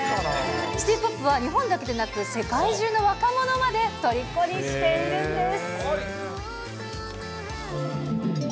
シティポップは日本だけでなく、世界中の若者までとりこにしているんです。